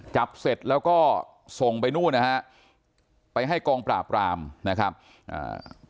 จับเสร็จแล้วก็ส่งไปนู่นนะฮะไปให้กองปราบรามนะครับอ่า